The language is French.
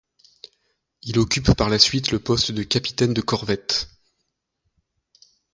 Il occupe par la suite le poste de capitaine de corvette.